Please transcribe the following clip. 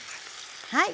はい。